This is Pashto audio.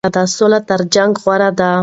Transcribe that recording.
سوله تر جنګ غوره ده.